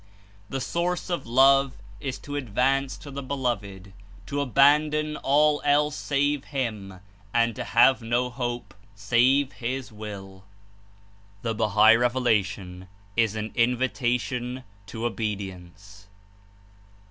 "The source of love is to advance to the Beloved, to abandon all else save Him, and to have no hope save His Will" 136 THE BAHAI REVELATION IS AN INVITATION TO OBEDIENCE.